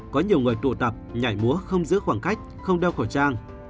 có nhiều người tụ tập nhảy múa không giữ khoảng cách không đeo khẩu trang